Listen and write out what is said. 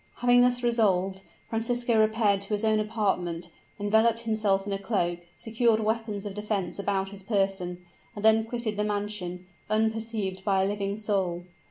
Having thus resolved, Francisco repaired to his own apartment, enveloped himself in a cloak, secured weapons of defense about his person, and then quitted the mansion, unperceived by a living soul.